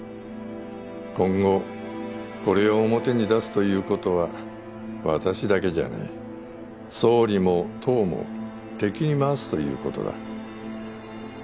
今後これを表に出すということは私だけじゃない総理も党も敵に回すということだ。